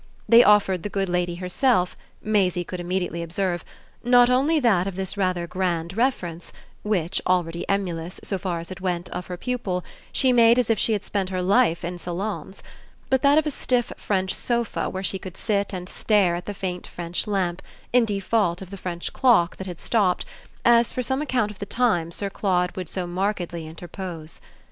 They offered the good lady herself, Maisie could immediately observe, not only that of this rather grand reference, which, already emulous, so far as it went, of her pupil, she made as if she had spent her life in salons; but that of a stiff French sofa where she could sit and stare at the faint French lamp, in default of the French clock that had stopped, as for some account of the time Sir Claude would so markedly interpose.